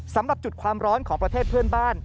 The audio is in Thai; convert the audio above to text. สำหรับจุดความร้อนของประเทศเพื่อนบ้าน